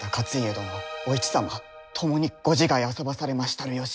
殿お市様共にご自害あそばされましたる由。